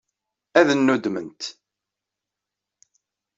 Ad nnuddment.